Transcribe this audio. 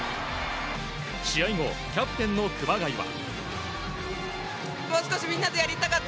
試合後、キャプテンの熊谷は。